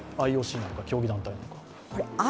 ＩＯＣなのか、競技団体なのか。